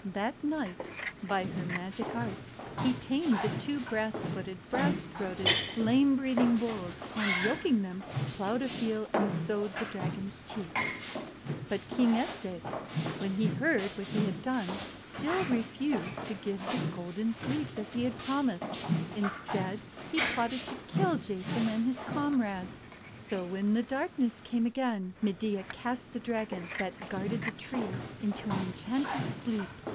That night by her magic arts he tamed the two brass footed, brass throated, flame breath ing bulls, and yoking them, ploughed a field and sowed the Dragon's teeth. THE ENCHANTED SWINE 389 But King ^Eetes, when he heard what he had done, still refused to give him the Golden Fleece as he had promised. Instead he plotted to kill Jason and his comrades. So when darkness came again, Medea cast the Dragon, that guarded the tree, into an en chanted sleep.